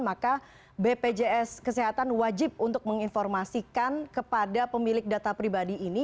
maka bpjs kesehatan wajib untuk menginformasikan kepada pemilik data pribadi ini